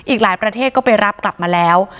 อีกหลายประเทศก็ไปรับกลับมาแล้ว